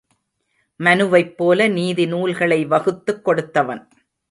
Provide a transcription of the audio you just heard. மனுவைப் போல நீதி நூல்களை வகுத்துக் கொடுத்தவன்.